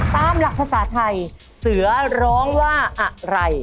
ตามหลักภาษาไทยเสือร้องว่าอะไร